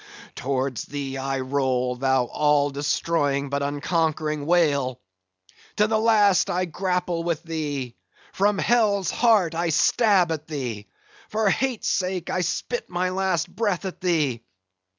Towards thee I roll, thou all destroying but unconquering whale; to the last I grapple with thee; from hell's heart I stab at thee; for hate's sake I spit my last breath at thee.